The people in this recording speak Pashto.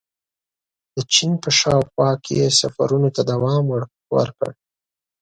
• د چین په شاوخوا کې یې سفرونو ته دوام ورکړ.